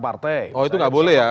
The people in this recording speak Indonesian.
partai oh itu nggak boleh ya